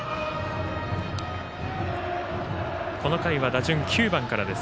この回は打順９番からです。